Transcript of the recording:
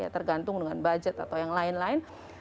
tergantung dengan budget atau yang lain lain